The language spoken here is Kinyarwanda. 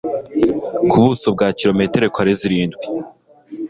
ku buso bwa kilometero kare zirindwi